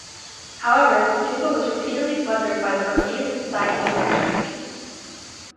However, the stupa was repeatedly plundered by the Burmese, Siamese and Chinese.